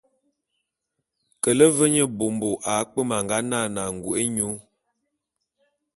Kele ve nye mbômbo akpwem a nga nane angô’é nyô.